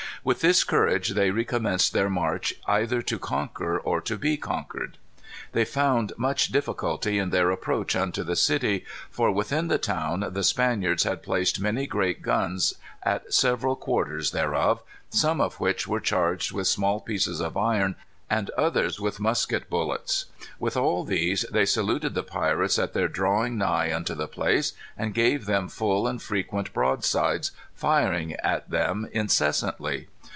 With this courage they recommenced their march either to conquer or to be conquered. "They found much difficulty in their approach unto the city. For within the town the Spaniards had placed many great guns at several quarters thereof, some of which were charged with small pieces of iron and others with musket bullets. With all these they saluted the pirates at their drawing nigh unto the place, and gave them full and frequent broadsides, firing at them incessantly.